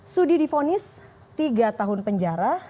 sudi difonis tiga tahun penjara